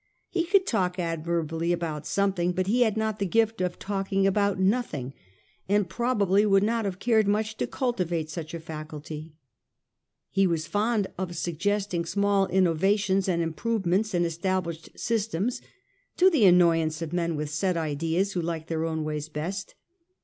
He could talk admirably about something, but he had not the gift of talking about nothing, and probably would not have cared much to cultivate such a faculty. He was fond of suggesting small innovations and im provements in established systems, to the annoyance of men with set ideas, who liked their own ways best.